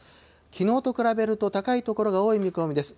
きのうと比べると高い所が多い見込みです。